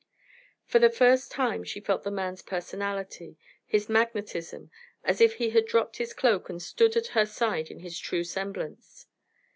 For the first time she felt the man's personality, his magnetism, as if he had dropped his cloak and stood at her side in his true semblance.